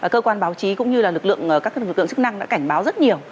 cơ quan báo chí cũng như các cơ quan chức năng đã cảnh báo rất nhiều